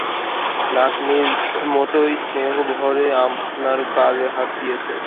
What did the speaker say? নাতনির মতোইস্নেহভরে আপনার গালে হাত দিয়েছি।